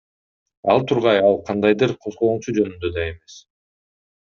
Ал тургай ал кандайдыр козголоңчу жөнүндө да эмес.